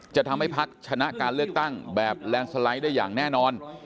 จะทำให้พักชนะการเลือกตั้งแบบแลนด์สไลด์ได้อย่างแน่นอน